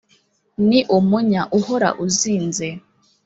ni umunya uhora uzinze